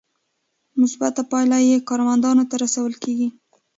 مثبته پایله یې کارمندانو ته رسول کیږي.